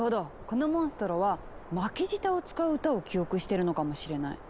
このモンストロは巻き舌を使う歌を記憶してるのかもしれない。